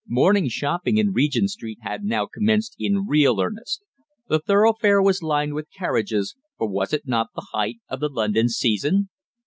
Morning shopping in Regent Street had now commenced in real earnest. The thoroughfare was lined with carriages, for was it not the height of the London season?